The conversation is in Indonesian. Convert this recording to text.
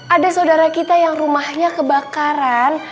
ada saudara kita yang rumahnya kebakaran